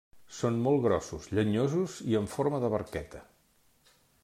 Són molt grossos, llenyosos i en forma de barqueta.